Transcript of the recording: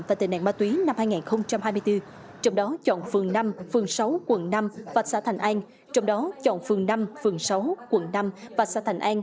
và tệ nạn ma túy năm hai nghìn hai mươi bốn trong đó chọn phường năm phường sáu quận năm và xã thành an